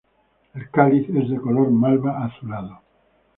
El cáliz es de color malva-azulado.